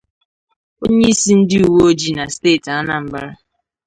onyeisi ndị uwe ojii na steeti Anambra